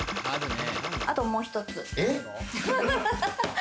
あともう１つ。